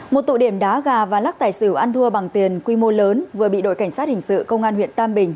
một tụ điểm đá gà và lắc tài xỉu ăn thua bằng tiền quy mô lớn vừa bị đội cảnh sát hình sự công an huyện tam bình